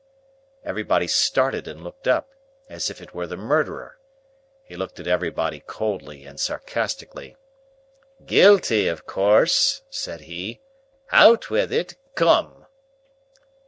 Everybody started and looked up, as if it were the murderer. He looked at everybody coldly and sarcastically. "Guilty, of course?" said he. "Out with it. Come!"